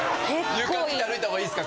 床見て歩いた方がいいですか？